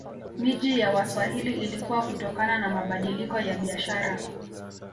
Miji ya Waswahili ilikua kutokana na mabadiliko ya biashara